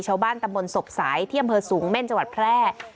ชาวบ้านตำบลศพสายที่อำเภอสูงเม่นจังหวัดแพร่